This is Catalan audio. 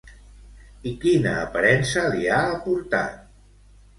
I quina aparença li ha aportat?